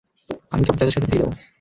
আমি তোমার চাচার সাথে থেকে যাবো।